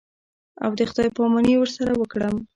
او د خداى پاماني ورسره وکړم.